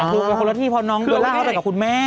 คือมีคนละที่พอน้องเบลล่ากับคุณแม่